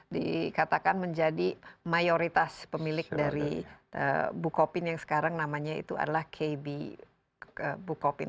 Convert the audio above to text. dikatakan menjadi mayoritas pemilik dari bukopin yang sekarang namanya itu adalah kb bukopin